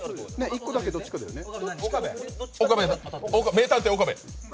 名探偵・岡部！